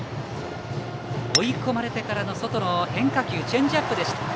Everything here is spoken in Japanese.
追い込まれてからの外の変化球チェンジアップでした。